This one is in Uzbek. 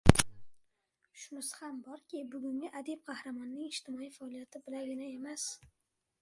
Shunisi ham borki, bugungi adib qahramonning ijtimoiy faoliyati bilangina emas